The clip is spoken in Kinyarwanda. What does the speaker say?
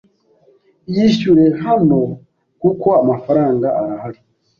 Iyishyure hano kuko amafaranga arahari.